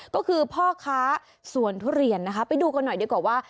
ก็คือพ่อค้าสวนทุเรียนนะคะไปดูกันหน่อยดีกว่าว่า